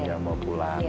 yang mau pulang